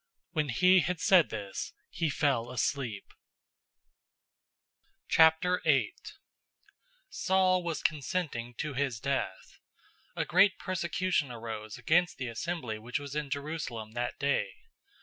When he had said this, he fell asleep. 008:001 Saul was consenting to his death. A great persecution arose against the assembly which was in Jerusalem in that day.